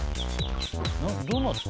どうなって。